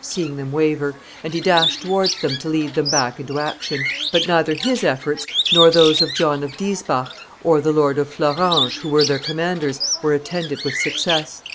seeing them waver, and he dashed towards them to lead them back into action; but neither his efforts, nor those of John of Diesbach and the Lord of Fleuranges, who were their commanders, were attended with success.